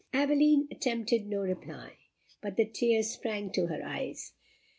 Aveline attempted no reply, but the tears sprang to her eyes.